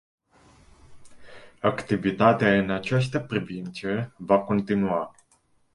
Activitatea în această privință va continua.